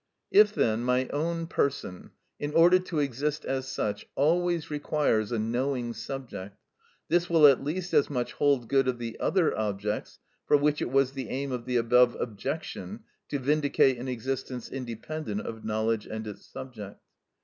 If, then, my own person, in order to exist as such, always requires a knowing subject, this will at least as much hold good of the other objects for which it was the aim of the above objection to vindicate an existence independent of knowledge and its subject.